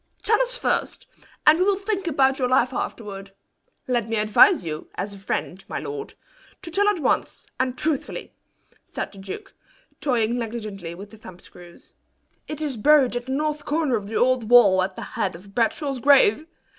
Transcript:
"Tell us first, and we will think about your life afterward. Let me advise you as a friend, my lord, to tell at once, and truthfully," said the duke, toying negligently with the thumb screws. "It is buried at the north corner of the old wall at the head of Bradshaw's grave.